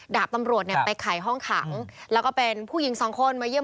ดาบตำรวจเนี่ยไปไขห้องขังแล้วก็เป็นผู้หญิงสองคนมาเยี